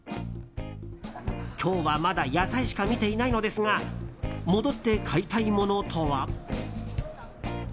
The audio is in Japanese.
今日はまだ野菜しか見ていないのですが戻って買いたいものとは？